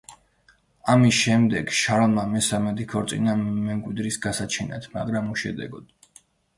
ამის შემდეგ შარლმა მესამედ იქორწინა მემკვიდრის გასაჩენად, მაგრამ უშედეგოდ.